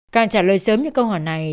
càng trả lời sớm những câu hỏi này